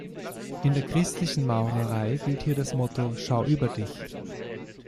In der christlichen Maurerei gilt hier das Motto „Schau über Dich“.